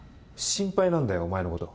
心配なんだよお前のこと。